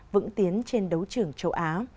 vững tiến trên đấu trưởng châu á